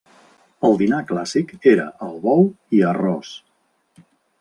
El dinar clàssic era el bou i arròs.